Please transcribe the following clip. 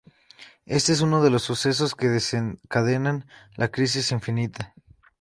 Este es uno de los sucesos que desencadenan la "Crisis Infinita".